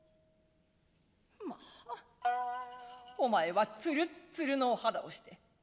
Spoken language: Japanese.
まあおまえはつるっつるのお肌をして。